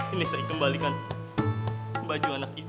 ini saya kembalikan baju anak ini